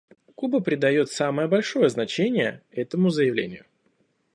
Куба придает самое большое значение этому заявлению.